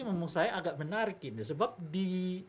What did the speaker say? memang saya agak menarik ini sebab di